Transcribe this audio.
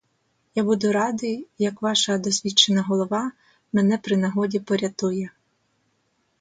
Я буду радий, як ваша досвідчена голова мене при нагоді порятує.